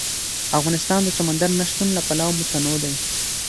افغانستان د سمندر نه شتون له پلوه متنوع دی.